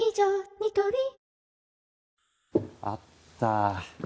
ニトリあった！